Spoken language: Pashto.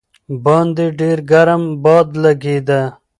باندې ډېر ګرم باد لګېده.